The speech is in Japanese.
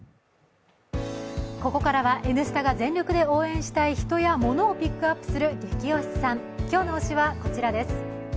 ここからは「Ｎスタ」が全力で応援したい人やものをピックアップするゲキ推しさん、今日の推しはこちらです。